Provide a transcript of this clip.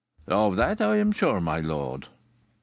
"Of that I am sure, my lord."